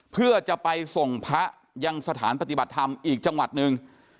เพื่อจะไปส่งพระยังสถานปฏิบัติธรรมอีกจังหวัดหนึ่ง